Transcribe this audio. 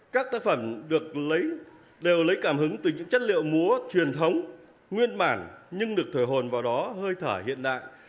các tác phẩm được lấy đều lấy cảm hứng từ những chất liệu múa truyền thống nguyên bản nhưng được thở hồn vào đó hơi thở hiện đại